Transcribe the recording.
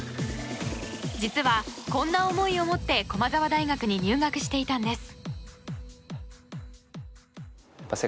実は、こんな思いを持って駒澤大学に入学していたんです。